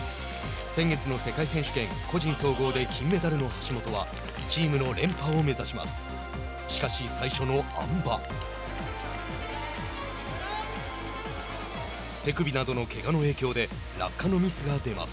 先月の世界選手権個人総合で金メダルの橋本はチームの連覇を目指します。